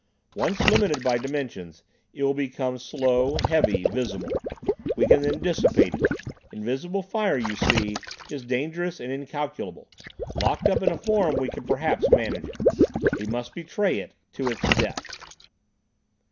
Once limited by dimensions, it will become slow, heavy, visible. We can then dissipate it. Invisible fire, you see, is dangerous and incalculable; locked up in a form we can perhaps manage it. We must betray it—to its death."